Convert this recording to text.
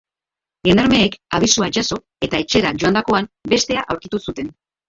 Gendarmeek abisua jaso eta etxera joandakoan bestea aurkitu zuten.